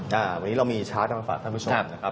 วันนี้เรามีชาร์จทางภาษาคุณผู้ชม